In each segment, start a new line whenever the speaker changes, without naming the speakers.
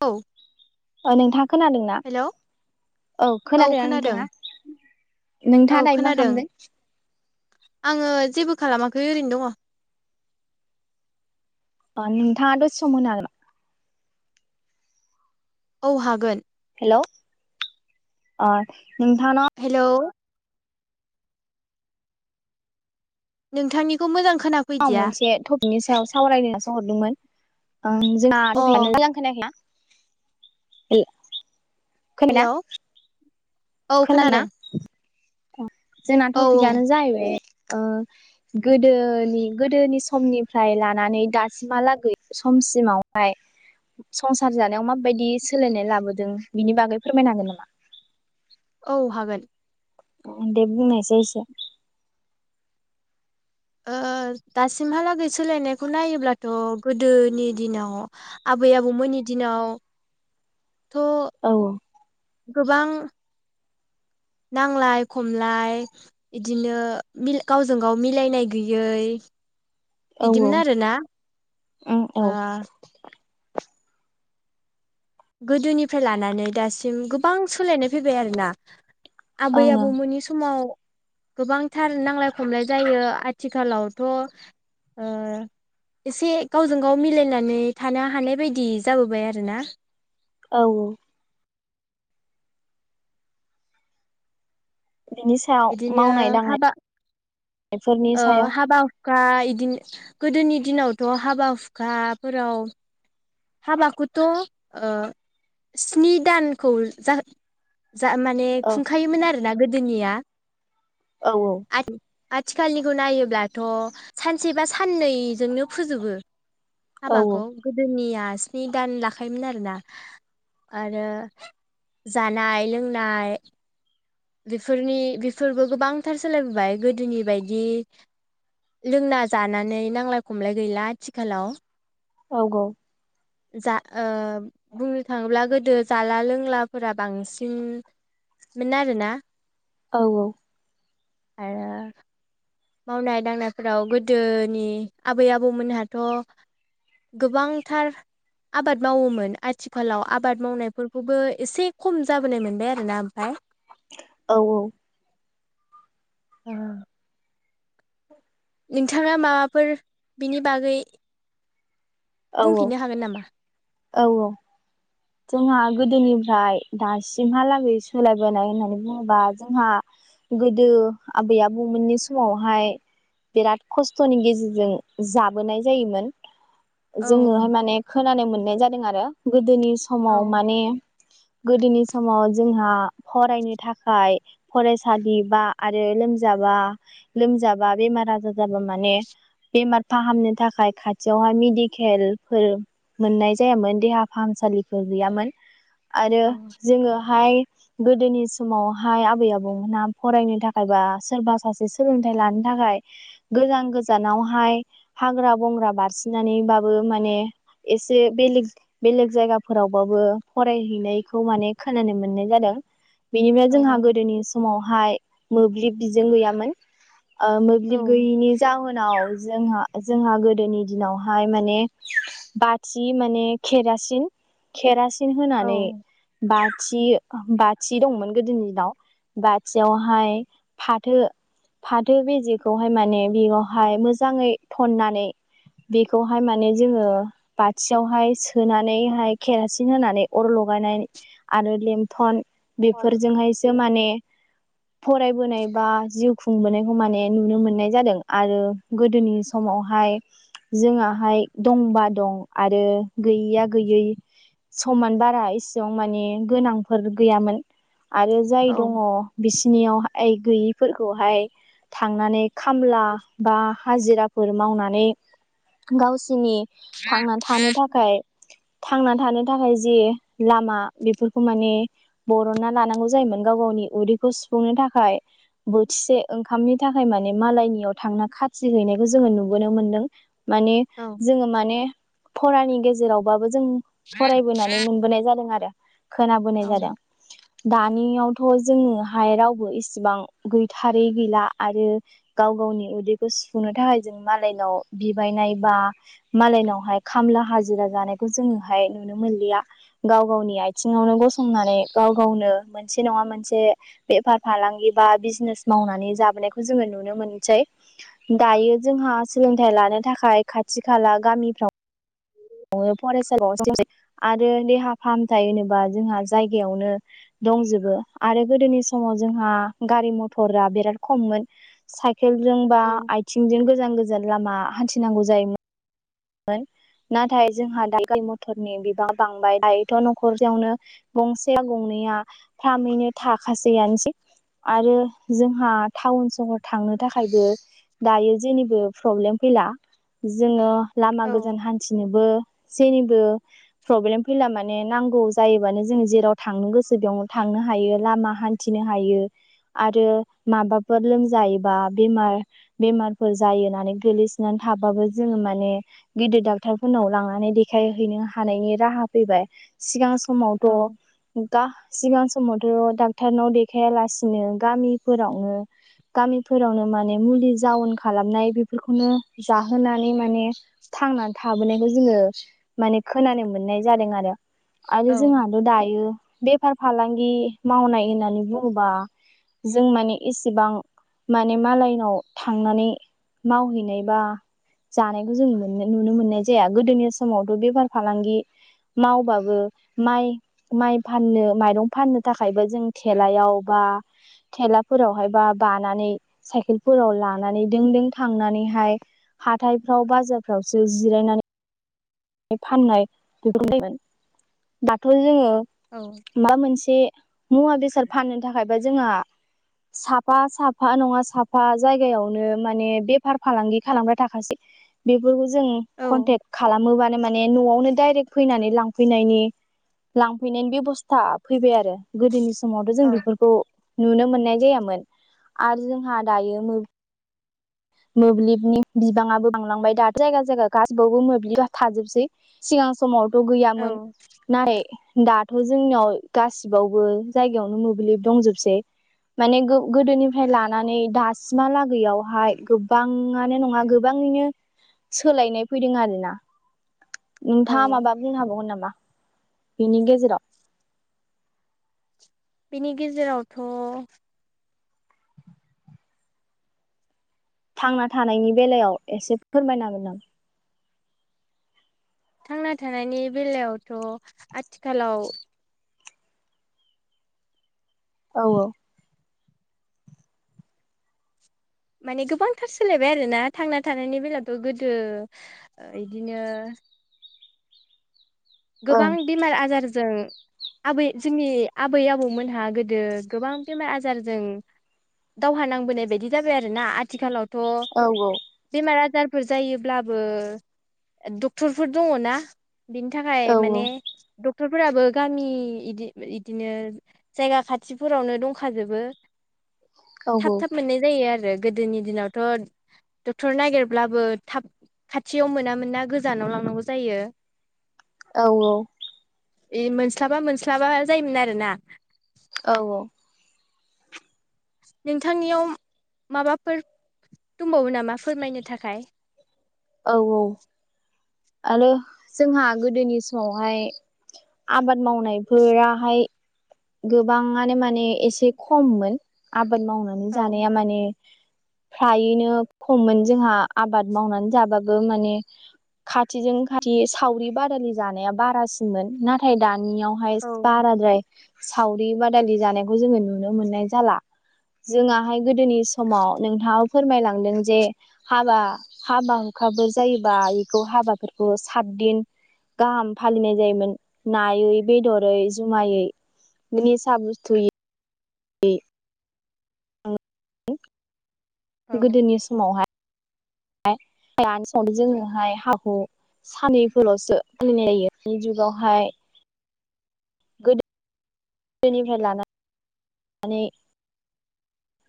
औ
ओ नोंथाङा खोनादोंना?
हेलौ
औ खोनादोंना नोंथाङा?
औ
नोंथाङा दायो मा
खोनादों
खालामदों?
आङो जेबो खालामाखै ओरैनो दङ।
ओ नोंथाङा दसे सम होनो हागोन।
औ हागोन।
हेल' आ
हेलौ' नोंथांनिखौ मोजां
औ
खोनाफैदिया
मोनसे थप बिनि सायाव सावरायनो नासो हरदोंमोन। ओं जोंहा
अ
थपिकयानो मोजां खोनायाखैना? हेल' खोनाना
हेलौ
खोनादों ना? जोंना
औ
टपिकआनो जाहैबाय ओ गोदोनि गोदोनि समनिफ्राय लानानै दासिमहालागै समसिमावहाय संसार जानायाव माबायदि सोलायनाय लाबोदों। बिनि बागै फोरमायनो हागोन नामा?
औ हागोन।
अ दे बुंनायसाय एसे
ओ दासिमहालागै सोलायनायखौ नायोब्लाथ' गोदोनि दिनाव आबै आबौमोननि दिनाव थ'
औ
गोबां नांलाय खमलाय इदिनो गावजों गाव मिलायनाय गैयै
औ औ
इदिमोन आरोना
उम औ
ओ गोदोनिफ्राय लानानै दासिम गोबां सोलायनाय फैबाय आरोना। आबै
ओं ओं
आबौमोननि समाव गोबांथार नांलाय खमलाय जायो आथिखालावथ'ओ एसे गावजों गाव मिलायनानै थानो हानाय बायदि जाबोबाय आरोना।
औ औ बिनि सायाव
बिदिनो
मावनाय दांनाय
हाबा
एफोरनि
ओ
सायाव
हाबा हुखा इदिनो गोदोनि दिनावथ' हाबा हुखाफोराव हाबाखौथ' ओ स्नि दानखौ जाह जा माने खुंखायोमोन आरो ना गोदोनिया।
औ औ
आथिखालनिखौ नायोब्लाथ' सानसे बा साननैजोंनो फोजोबो।
औ
हाबाखौ गोदोनिया स्नि दान लाखायोमोन आरोना आरो जानाय लोंनाय बेफोरनि बेफोरबो गोबांथार सोलायबोबाय गोदोनि बायदि लोंना जानानै नांलाय खमलाय गैला आथिखालाव।
औ गौ।
जा ओ बुंनो थाङोब्ला गोदो जाला लोंलाफोरा बांसिनमोन आरोना। [inaudible]
औ औ
आरो मावनाय दांनायफोराव गोदोनि आबै आबौमोनहाथ' गोबांथार आबाद मावोमोन आथिखालाव आबाद मावनायफोरखौबो एसे खम जाबोनाय मोनबाय आरोना ओमफाय।
औ औ
ओ नोंथाङा माबाफोर बिनि बागै
औ
बुंफिननो हागोन नामा?
औ औ जोंहा गोदोनिफ्राय दासिमहालागै सोलायबोनाय होननानै बुङोबा जोंहा गोदो आबै आबौमोननि समावहाय बिराद खस्थ'नि गेजेरजों जाबोनाय जायोमोन।
औ
जोङोहाय माने खोनानाय मोननाय जादों आरो। गोदोनि समाव
औ
माने गोदोनि समाव जोंहा फरायनो थाखाय फरायसालि बा आरो लोमजाबा लोमजाबा बेमार आजार जाबा माने बेमार फाहामनो थाखाय खाथियावहाय मेडिकेलफोर मोननाय जायामोन देहा फाहामसालि गैयामोन। आरो
औ
जोङोहाय गोदोनि समावहाय आबै आबौमोनहा फरायनो थाखाय बा सोरबा सासे सोलोंथाइ लानो थाखाय गोजान गोजानावहाय हाग्रा बंग्रा बारसिनानैबाबो माने एसे बेलेग बेलेग जायगा फोरावबाबो फरायहैनायखौ माने खोनानो मोननाय जादों। बेनिफ्राय
औ
जोंहा गोदोनि समाव हाय मोब्लिब बिजों गैयामोन। ओ
औ
मोब्लिब गैयिनि जाहोन उनाव जोंहा जोंहा गोदोनि दिनावहाय माने बाथि माने केेरासिन खेरासि
औ
होनानै बा थि बाथि दंमोन गोदोनि दिनाव बाथियावहाय फाथो फाथो बेजेखौहाय माने बेयावहाय मोजाङै फननानै बेखौहाय माने जोङो बाथियावहाय सोनानै केरासिन होनानै अर लगायनाय आरो लेनथन बेफोरजोंहायसो माने फरायबोनाय बा जिउ खुंबोनायखौ माने नुनो मोननाय जादों आरो गोदोनि समावहाय जोंहाहाय दंबा दं आरो गैयैया गैयै समान बारा इसिबां माने गोनांफोर गैयामोन आरो
औ
जाय दङ' बिसिनियाव ऐ गैयिफोरखौहाय थांनानै खामला बा हाजिरा फोर मावनानै गावसिनि थांनानै थानो थाखाय थांना थानो थाखाय जि लामा बेफोरखौ माने बरनना लानांगौ जायोमोन गाव गावनि उदैखौ सुफुंनो थाखाय बोथिसे ओंखामनि थाखाय माने मालायनियाव थांना खाथि हैनायखौ जोङो नुबोनो मोनदों। माने जोङो माने फरानि गेजेरावबाबो जों जों फरायबोनानै मोनबोनाय जादों आरो खोनाबोनाय
औ
जादों। दानियावथ' जोङोहाय रावबो इसेबां गैथारै गैला आरो गाव गावनि उदैखौ सुफुंनो थाखाय जों मालायनाव बिबायनाय बा मालायनावहाय खामला हाजिरा जानाय बे जोङोहाय नुनो मोनलिया गाव गावनि आथिङावनो गसंनानै गाव गावनो मोनसे नङा मोनसे बेफार फालांगि बा बिजनेस मावनानै जाबोनायखौ जोङो नुनो मोनसै दायो जोंहा सोलोंथाइ लानो थाखाय खाथि खाला गामिफ्राव फरायसालियाव आरो देहा फाहामथाय होनोबा जोंहा जायगायावनो दंजोबो आरो गोदोनि समाव जोंहा गारि मथरा बिराद खममोन साइकेल साइकेल जोंबा
औ
आथिंजों गोजान गोजान गोजान लामा हान्थिनांगौ जायोमोन नाथाय जोंहा दा गारि मथरनि बिबां बांबाय दायोथ' न'खरसेयावनो गंसेया गंनैया फ्रामैनो थाखासैआनोसै आरो जों जोंहा टाउन सहर थांनो थाखायबो दायो जेनिबो प्रब्लेम फैला जोङो लामा
औ
गोजान हान्थिनोबो जेनिबो प्रब्लेम फैला माने नांगौ जायोबानो जोङो जेराव थांनो गोसो बेयावनो थांनो हायो लामा हान्थिनो हायो आरो माबाफोर लोमजायोबा बेमार बेमारफोर जायो होननानै गोग्लैसोनानै थाबाबो जोङो माने गिदिर डाक्टरफोरनाव लांनानै देखायहैनो हानायनि राहा फैबाय सिगां समावथ' सिगां समावथ' डक्टरनाव देखायालासिनो गामिावनो गामिफोरावनो माने मुलि जाउन खालामनाय बेफोर बेफोरखौनो जाहोनानै माने थांनानै थाबोनायखौ जोङो माने खोनानो मोननाय जादों आरो आरो जोंहाल' दायो बे फार फालांगि मावनाय होननानै बुङोबा जों माने एसेबां माने मालायनाव थांनानै मावहैनाय बा जानायखौ जों [unintelligible] नो नुनो मोननाय जाया। गोदोनि समावथ' बेफार फालांगि मावबाबो माइ माइ फाननो माइरं फाननो थाखायबो जों थेलायाव बा थेलाफोरावहाय बा बानानै साइकेलफोराव लानानै दों दों थांनानैहाय हाथायफ्राव बाजार फोरावसो जिरायनानै फाननाय [unintelligible] दाथ' जोङो
औ
मा मोनसे मुवा बेसाद फाननो थाखायबा जोंहा साफा साफा नङा साफा जायगायावनो माने बेफार फालांगि खालामग्रा थाखासै बेफोरखौ जों
औ
कनटेक खालामोबा नो माने न'आवनो दायरेक फैनानै लांफैनायनि लांफैनायनि बेबसथा फैबाय आरो। गोदोनि समावथ' जों बेफोरखौ नुनो मोन नाय जायामोन आरो जोंहा दायो मै मोब्लिबनि बिबाङाबो बांलांबाय दाथ' जायगा जायगा गासिबावबो मोब्लिबा थाजोबसै। सिगां समाव थ' गैयामोन
औ
नाय दाथ' जोंनियाव गासिबावबो जायगायावनो मोब्लिब दंजोबसै। माने गोदोनिफ्राय लानानै दासिमहालागैआवहाय गोबाङानो नङा गोबाङैनो सोलायनाय फैदों आरोना। नोंथाङा
औ
माबा बुंनो हाबावगोन नामा? बेनि गेजेराव
बिनि गेजेरावथ'
थांना थानायनि बेलायाव एसे फोरमायनो हागोन नामा?
थांना थानायनि बेलायावथ' आथिखालाव
औ औ
माने गोबांथार सोलायबाय आरोना थांना थानायनि बेलायावथ' गोदो ओ इदिनो
औ
गोबां
ओं
बेमार आजार जों आबै जोंनि आबै आबौमोनहा गोदो गोबां बेमार आजारजों दावहा नांबोनाय बायदि जाबाय आरोना। आथिखालाव
औ
थ' बेमार आजार फोर जायोब्लाबो ओ डक्टरफोर दङ ना। बिनि थाखाय
औ
माने दुख डक्टरफोराबो गामि इदि इदिनो जायगा खाथिफोरावनो दंखाजोबो। थाब थाब मोननाय जायो आर रो गोदोनि दिनावथ' डक्टर नागिरब्लाबो थाब खाथियाव मोना मोनना गोजानाव लांनांगौ जायो।
औ औ
ए मोनस्लाबा मोनस्लाबा जायोमोन आरो ना?
औ
नोंथांनियाव माबाफोर दंबावो नामा फोरमायनो थाखाय?
औ औ आरो जोंहा गोदोनि समावहाय आबाद मावनायफोराहाय गोबाङानो माने एसे खममोन आब बाद मावनानै
औ
जानाया माने फ्रायैनो खममोन जोंहा आबाद मावनानै जाबाबो माने खाथिजों खाथि सावरि बादालि जानाया बारासिनमोन नाथाय दा
औ
नियावहायस बाराद्राय सावरि बादालि जानायखौ जोङो नुनो मोननाय जाला जोंहाहाय गोदोनि समाव नोंथाङाव फोरमायलांदों जे हाबा हाबा हुखाफोर जायोबा इखौ हाबाफोरखौ सातदिन गाहाम फालिनाय जायोमोन नायै बेदरै जुमायै। निसा बुस्थु इ यै [unintelligible]
औ
गोदोनि समावहाय [unintelligible] आय लानसावबो जोङो हाय हाखौ सानिखोल'सो फालिनाय जायो दानि जुगावहाय गोदोनिफ्राय लाना नानै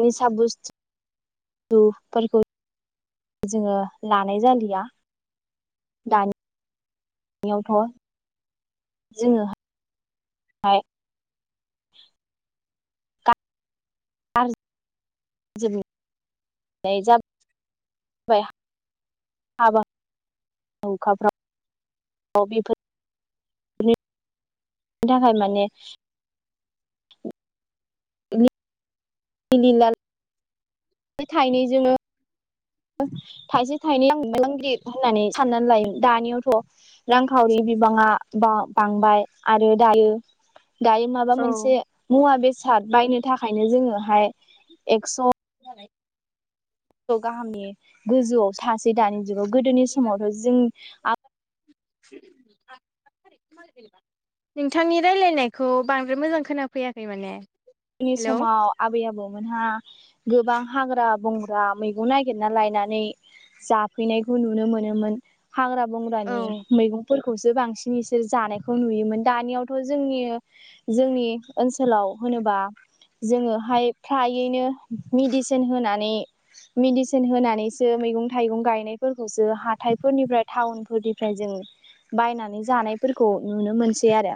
निसा बुस्थु फोरखौ जोङो लानाय जालिया दानियावथ' जोङोहाय आर ज जोबो नायजाब बायहा हाबा हुखाफोराव आव बेफोर नि थाखाय माने अ भिनि लाल ऐ थाइनै जोङो ओज थाइसे [unintelligible] होननानै साननानै लायो दानियावथ' रांखावरि बिबाङा बा बांबाय आरो दायो दायो माबा
औ
मोनसे मुवा बेसाद बायनो थाखायनो जोङोहाय एक्स' औ गाहामनि गोजौआव थासेै दानि जुगाव गोदोनि समावथ' जों आ
[unintelligible] नोंथांनि रायलायनायखौ बांद्राय मोजां खोनाफैयाखै माने
दोनि
हेलौ
समाव आबै आबौमोनहा गोबां हाग्रा बंग्रा मैगं नायगिरना लायनानै जाफैनायखौ नुनो मोनोमोन। हाग्रा
औ
बंग्रानि मैगंफोरख खौसो बांसिन इसोर जानायखौ नुयोमोन दानियावथ' जोंनि जोंनि ओनसोलाव होनोबा जोङोहाय फ्रायैनो मेडिसोन होनानै मेडिसोन होनानैसो मैगं थाइगं गायनायफोरखौसो हाथायफोरनिफ्राय टाउनफोरनिफ्राय जों बायनानै जानायफोरखौ नुनो मोनसै आरो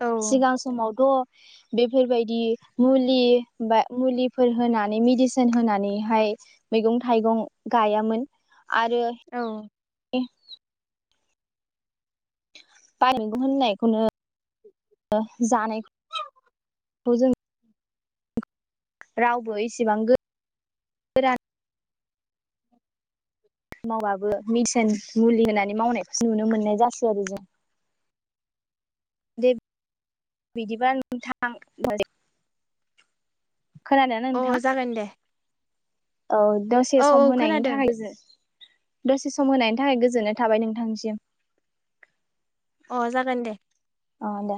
औ
सिगां समावथ' बेफोरबायद दि मुलि बा मुलिफोर होनानै मेडिसोन होनानैहाय मैगं थाइगं गायामोन। आरो
औ
ए बाय मैगं होननायखौनो ओ जानायख थ' जों रावबो इसेबां गो रान मावबाबो मेदिसोन मुलि होनानै मावनायखौसो नुनो मोननाय जासै आरो जों। दे बिदिबा नोंथां [unintelligible] खोनादों ना
अ
नोंथाङा?
जागोन दे
औ दसे
औ औ
सम होनायनि
खोनादों
थाखाय जो दसे सम होनायनि थाखाय गोजोननाय थाबाय नोंथांसिम।
अ जागोन दे।
दे